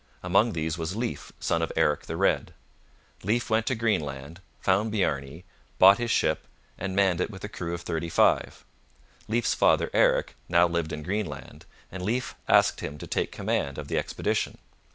Among these was Leif, son of Eric the Red. Leif went to Greenland, found Bjarne, bought his ship, and manned it with a crew of thirty five. Leif's father, Eric, now lived in Greenland, and Leif asked him to take command of the expedition.